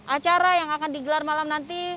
acara yang akan digelar malam nanti